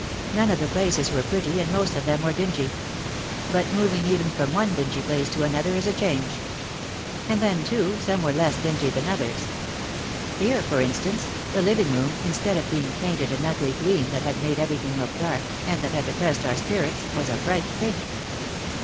None of the places were pretty and most of them were dingy. But moving even from one dingy place to an other is a change. And then, too, some were less dingy than others. Here, for instance, the living room, instead of being painted an ugly green that had made everything look dark, and that had depressed our spirits, was a bright pink.